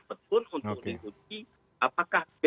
petun untuk dihukumi apakah